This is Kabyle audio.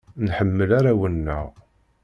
Nḥemmel arraw-nneɣ.